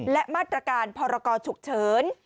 และมาตรการพรกรฉุกเฉิน